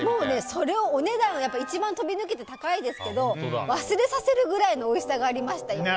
それは一番飛び抜けてお値段が高いですけど忘れさせるぐらいのおいしさがありました。